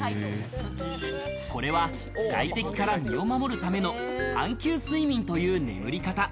これは外敵から身を守るための半球睡眠という眠り方。